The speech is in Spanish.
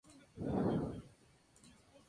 Leo no estará solo tampoco.